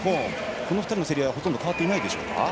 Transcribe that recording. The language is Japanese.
この２人の競り合いは変わっていないでしょうか。